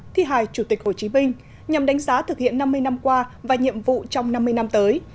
thi hài chủ tịch hồ chí minh nhằm đánh giá thực hiện năm mươi năm qua và nhiệm vụ trong năm mươi năm tới